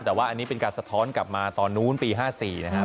แต่ว่าอันนี้เป็นการสะท้อนกลับมาตอนนู้นปี๕๔นะครับ